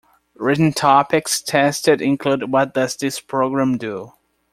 Written topics tested include what does this program do?